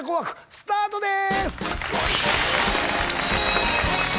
スタートです！